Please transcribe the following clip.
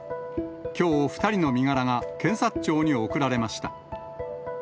きょう、２人の身柄が検察庁に送られました。